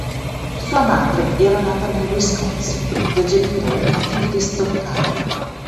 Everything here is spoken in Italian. Sua madre era nata nel Wisconsin da genitori nativi di Stoccarda.